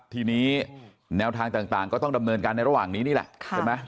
ทีนี้แนวทางต่างก็ต้องดำเนินการในระหว่างนี้นี่แหละใช่ไหม